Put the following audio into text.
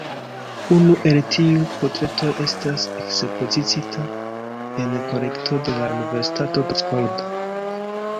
Unu el tiuj portretoj estas ekspoziciita en la kolekto de la Universitato de Oksfordo.